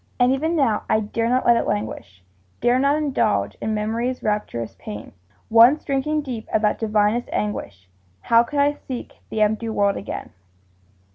And even now, I dare not let it languish, Dare not indulge in Memory's rapturous pain; Once drinking deep of that divinest anguish, How could I seek the empty world again?